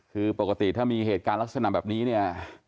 คือปกติถ้ามีเหตุการณ์ลักษณะแบบนี้เนี่ย